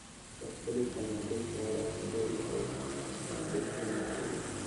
د خپلې کامیابۍ په اړه خبرې او اندیښنه مه کوئ.